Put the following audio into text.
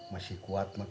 masih kuat emak